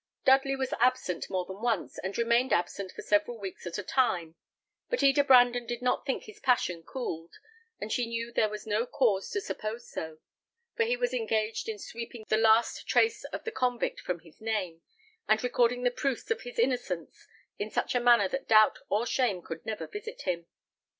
Dudley was absent more than once, and remained absent for several weeks at a time; but Eda Brandon did not think his passion cooled, and she knew there was no cause to suppose so; for he was engaged in sweeping the last trace of the convict from his name, and recording the proofs of his innocence in such a manner that doubt or shame could never visit him.